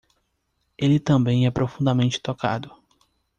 Ele também é profundamente tocado